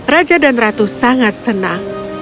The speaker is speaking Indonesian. raja dan ratu sangat senang